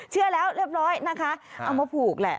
เชื่อแล้วเรียบร้อยนะคะเอามาผูกแหละ